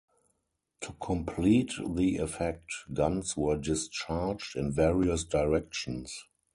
To complete the effect, guns were discharged in various directions.